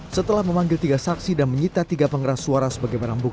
setelah memanggil tiga saksi dan menyita tiga penggeras suara